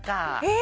え！